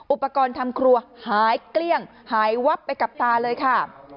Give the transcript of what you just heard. อุปกรณ์ทำครัวหายเกลี้ยงหายวับไปกับตาเลยค่ะ